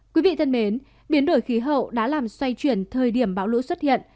quý vị thân mến biến đổi khí hậu đã làm xoay chuyển thời điểm bão lũ xuất hiện